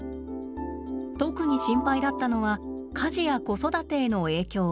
特に心配だったのは家事や子育てへの影響。